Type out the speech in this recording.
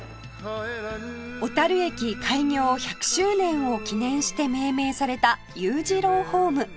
小駅開業１００周年を記念して命名された裕次郎ホーム